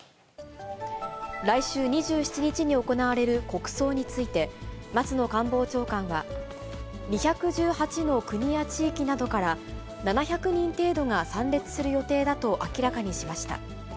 来週２７日に行われる国葬について、松野官房長官は、２１８の国や地域などから、７００人程度が参列する予定だと明らかにしました。